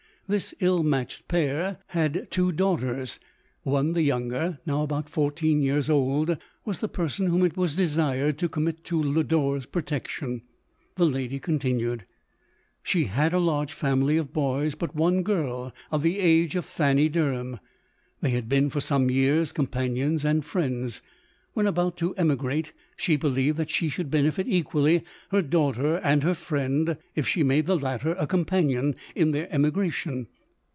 This ill matched pair had two daughters ;— one, the younger, now about fourteen years old, was the person whom it was desired to commit to Lo dore's protection. The lady continued :— She had a large family of boys, and but one girl, of the age of Fanny Derham ;— they had been for some years com panions and friends. When about to emigrate, she believed that she should benefit equally her daughter and her friend, if she made the latter a companion in their emigration.